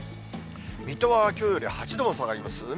水戸はきょうより８度も下がります。